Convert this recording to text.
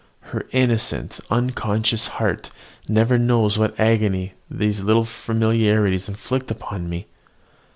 Her innocent, unconscious heart never knows what agony these little familiarities inflict upon me.